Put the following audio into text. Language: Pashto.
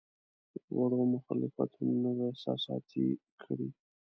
وړو مخالفتونو نه وو احساساتي کړی.